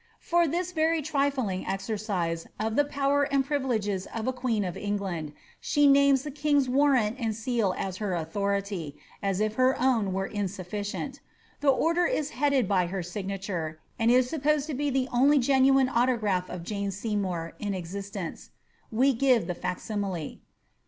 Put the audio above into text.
^ For this very trifling exercise of the power and privileges of a queen of England, she names the king's warrant and seal as her authority, as if her own were insufficient The order is headed by her signature, and is sop* posed to be the only genuine autograph of Jane Seymour in eziateac8i We give the fac simile.'